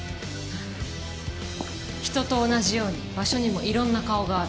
人と同じように場所にもいろんな顔がある。